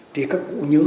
thì các cụ nhớ tôi